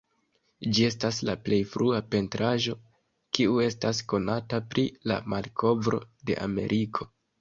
Ĝi estas la plej frua pentraĵo kiu estas konata pri la malkovro de Ameriko.